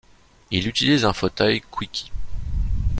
Il utilise un fauteuil Quickie.